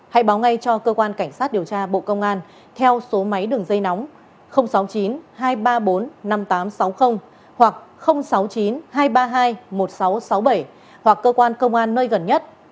hãy báo ngay cho cơ quan cảnh sát điều tra bộ công an theo số máy đường dây nóng sáu mươi chín hai trăm ba mươi bốn năm nghìn tám trăm sáu mươi hoặc sáu mươi chín hai trăm ba mươi hai một nghìn sáu trăm sáu mươi bảy hoặc cơ quan công an nơi gần nhất